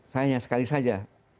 sayangnya sekali saja